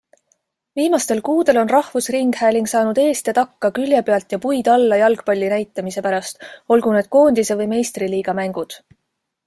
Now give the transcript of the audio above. Viimastel kuudel on rahvusringhääling saanud eest ja takka, külje pealt ja puid alla jalgpalli näitamise pärast, olgu need koondise- või meistriliigamängud.